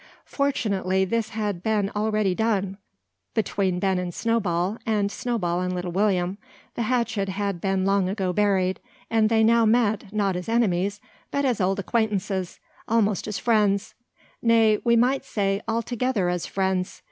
Fortunately this had been already done. Between Ben and Snowball, and Snowball and Little William, the hatchet had been long ago buried; and they now met, not as enemies, but as old acquaintances, almost as friends: nay, we might say, altogether as friends.